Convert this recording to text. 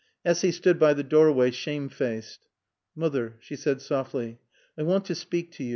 Essy stood by the doorway, shamefaced. "Moother," she said softly, "I want to speaak to yo."